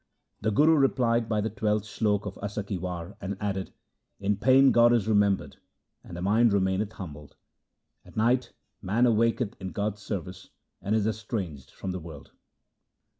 The Guru replied by the twelfth slok of Asa ki War, and added :—' In pain God is remembered and the mind remaineth humbled. At night man awaketh in God's service and is estranged from the world.'